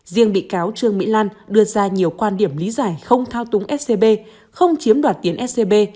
riêng bị cáo trương mỹ lan đưa ra nhiều quan điểm lý giải không thao túng scb không chiếm đoạt tiền scb